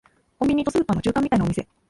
コンビニとスーパーの中間みたいなお店